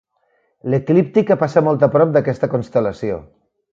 L'eclíptica passa molt a prop d'aquesta constel·lació.